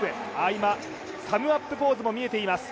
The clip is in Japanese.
今、サムアップポーズも見えています。